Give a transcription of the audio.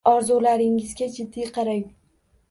Orzularingizga jiddiy qarang